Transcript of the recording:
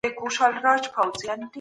څنګه ټول ماشومان ښوونځي ته تللای سي؟